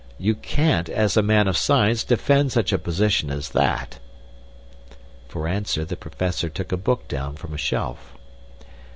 You can't, as a man of science, defend such a position as that." For answer the Professor took a book down from a shelf.